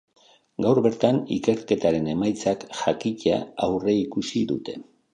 Gaur bertan ikerketaren emaitzak jakitea aurreikusi dute.